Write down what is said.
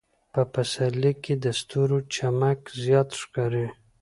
په پسرلي کې د ستورو چمک زیات ښکاري.